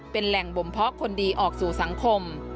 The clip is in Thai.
เป็นแหล่งบ่มเพาะคนดีออกสู่สังคม